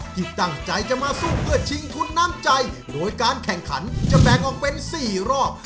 ที่ตั้งใจจะมาสู้เพื่อชิงทุนน้ำใจโดยการแข่งขันจะแบ่งออกเป็น๔รอบ